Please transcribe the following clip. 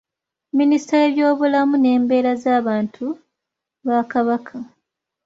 Minisita w’ebyobulamu n’embeera z’abantu ba Kabaka.